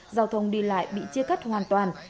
giao thông đi lại bị chia cắt hoàn toàn